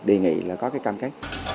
đề nghị là có cái cam kết